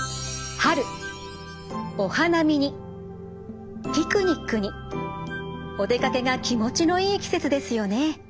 春お花見にピクニックにお出かけが気持ちのいい季節ですよね。